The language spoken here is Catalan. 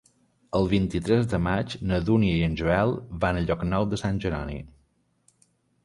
El vint-i-tres de maig na Dúnia i en Joel van a Llocnou de Sant Jeroni.